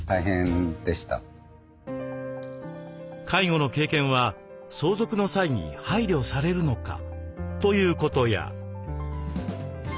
介護の経験は相続の際に配慮されるのか？ということや。